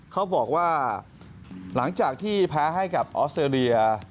เขาบอกว่าหลังจากที่แพ้ให้กับออสเตรเลีย